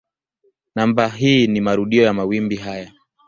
Namba hii ni marudio ya mawimbi haya.